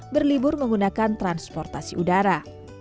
berlibur menggunakan transportasi udara